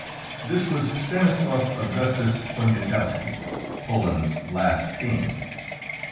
This was Stanislaus Augustus Poniatowski, Poland's last king.